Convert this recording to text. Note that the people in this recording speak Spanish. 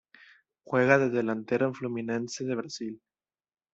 Juega de delantero en Fluminense de Brasil.